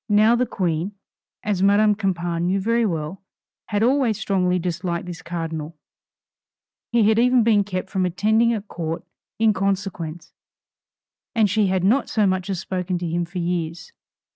Now the Queen, as Madame Campan knew very well, had always strongly disliked this Cardinal; he had even been kept from attending at Court in consequence, and she had not so much as spoken to him for years.